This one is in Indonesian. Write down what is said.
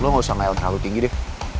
lo gausah ngel terlalu tinggi deh